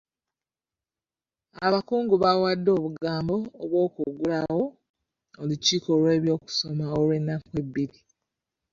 Abakungu bawadde obugambo obuggulawo olukiiko lw'ebyokusoma olw'ennaku ebbiri.